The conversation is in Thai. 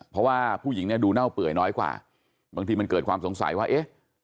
เพราะว่าผู้หญิงเนี่ยดูเน่าเปื่อยน้อยกว่าบางทีมันเกิดความสงสัยว่าเอ๊ะ